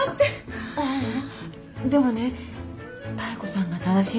でもね妙子さんが正しいと思う。